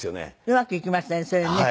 うまくいきましたねそれね。